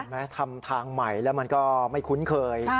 ไหมทำทางใหม่แล้วมันก็ไม่คุ้นเคย